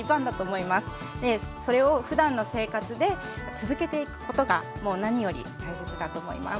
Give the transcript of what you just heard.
それをふだんの生活で続けていくことがもう何より大切だと思います。